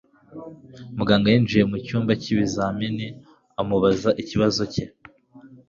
Muganga yinjiye mucyumba cy'ibizamini amubaza ikibazo cye.